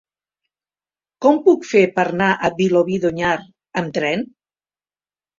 Com ho puc fer per anar a Vilobí d'Onyar amb tren?